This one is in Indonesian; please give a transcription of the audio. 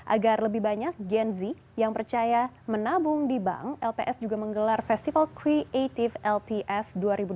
agar lebih banyak gen z yang percaya menabung di bank lps juga menggelar festival creative lps dua ribu dua puluh tiga